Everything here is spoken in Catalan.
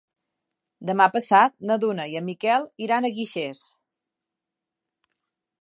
Demà passat na Duna i en Miquel iran a Guixers.